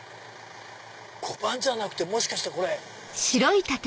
コバンじゃなくてもしかしてこれ。